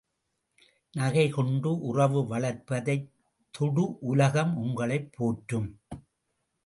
நகை கொண்டு உறவு வளர்ப்பதைத் தொடு, உலகம் உங்களைப் போற்றும்.